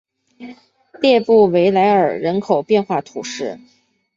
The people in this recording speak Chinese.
列布维莱尔人口变化图示